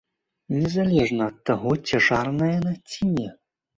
Незалежна ад таго, цяжарная яна ці не.